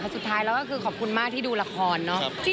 สุดท้ายแล้วก็คือขอบคุณมากที่ดูละครเนาะ